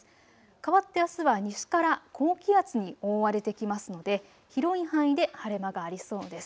かわってあすは西から高気圧に覆われてきますので、広い範囲で晴れ間がありそうです。